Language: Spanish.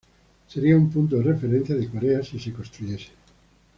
Seria un punto de referencia de Corea si se construyese.